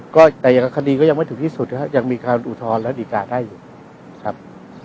ก็แต่ยังคดีก็ยังไม่ถึงที่สุดนะครับยังมีการอุทธรณ์และดีการ์ได้อยู่ครับ